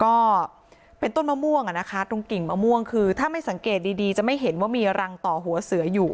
ก็เป็นต้นมะม่วงอ่ะนะคะตรงกิ่งมะม่วงคือถ้าไม่สังเกตดีจะไม่เห็นว่ามีรังต่อหัวเสืออยู่